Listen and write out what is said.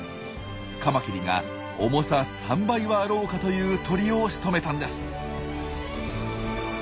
カマキリが重さ３倍はあろうかという鳥をしとめたんです。